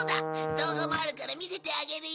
動画もあるから見せてあげるよ。